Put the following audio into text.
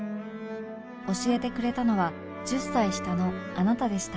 教えてくれたのは１０歳下のあなたでした